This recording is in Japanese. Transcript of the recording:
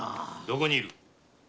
どこにいる！？